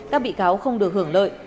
các bị cáo không được hưởng lợi